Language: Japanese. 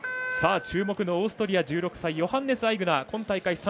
注目のオーストリア１６歳ヨハンネス・アイグナー今大会